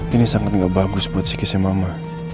ini sangat gak bagus buat psikisnya mama